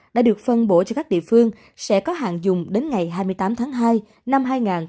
đã được phân bổ cho các địa phương sẽ có hàng dùng đến ngày hai mươi tám tháng hai năm hai nghìn hai mươi